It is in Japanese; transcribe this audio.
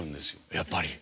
やっぱり。